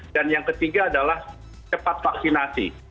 dan yang ketiga adalah cepat vaksinasi